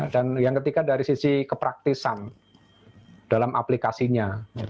dan ketiga dari sisi kepraktisan dalam aplikasinya